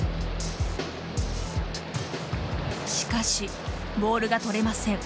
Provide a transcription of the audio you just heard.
しかし、ボールが取れません。